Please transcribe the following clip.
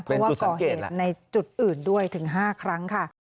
เพราะว่าก่อเหตุในจุดอื่นด้วยถึง๕ครั้งค่ะ